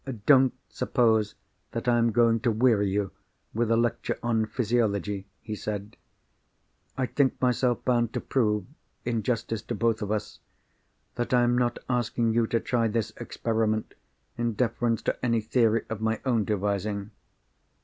"Don't suppose that I am going to weary you with a lecture on physiology," he said. "I think myself bound to prove, in justice to both of us, that I am not asking you to try this experiment in deference to any theory of my own devising.